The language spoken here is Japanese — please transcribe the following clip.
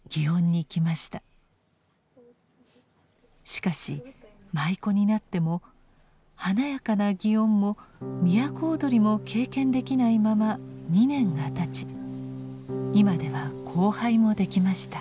しかし舞妓になっても華やかな祇園も都をどりも経験できないまま２年がたち今では後輩もできました。